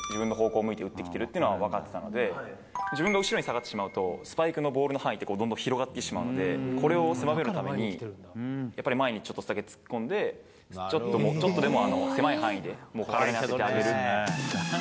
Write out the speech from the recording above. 向いて打ってきてるっていうのは分かってたので、自分が後ろに下がってしまうと、スパイクのボールの範囲って、どんどん広がってしまうので、これを狭めるために、やっぱり前にちょっとだけ突っ込んで、ちょっとでも狭い範囲で、体に当てる。